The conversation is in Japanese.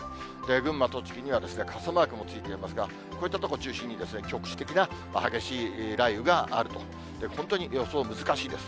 群馬、栃木には傘マークもついていますが、こういった所中心に、局地的な激しい雷雨があると、本当に予想難しいです。